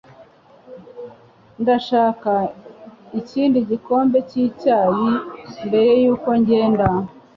Ndashaka ikindi gikombe cyicyayi mbere yuko ngenda.